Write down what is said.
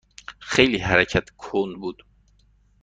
خیلی حرکت کند بود.